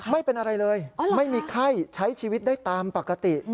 ไม่เป็นอะไรเลยไม่มีไข้ใช้ชีวิตได้ตามปกติ